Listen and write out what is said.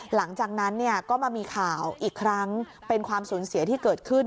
หลังจากนั้นเนี่ยก็มามีข่าวอีกครั้งเป็นความสูญเสียที่เกิดขึ้น